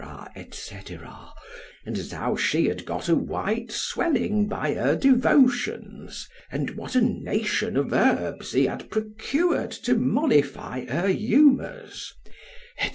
&c.—and as how she had got a white swelling by her devotions—and what a nation of herbs he had procured to mollify her humours, &c.